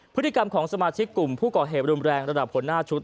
พฤติกรรมของสมาชิกกลุ่มผู้ก่อเหตุรุนแรงระดับหัวหน้าชุด